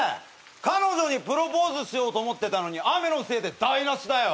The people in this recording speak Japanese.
彼女にプロポーズしようと思ってたのに雨のせいで台無しだよ。